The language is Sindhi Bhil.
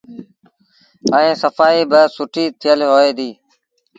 ائيٚݩ سڦآئيٚ با سُٺي ٿيل هوئي ديٚ۔